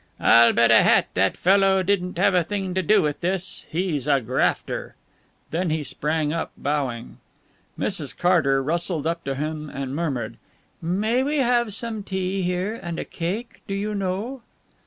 "I'll bet a hat that fellow didn't have a thing to do with this; he's a grafter." Then he sprang up, bowing. Mrs. Carter rustled up to him and murmured, "May we have some tea, here, and a cake, do you know?"